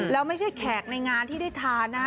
แล้วไม่ใช่แขกในงานที่ได้ทานนะฮะ